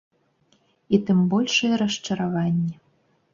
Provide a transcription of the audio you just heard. І тым большыя расчараванні.